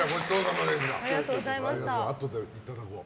またあとでいただこう。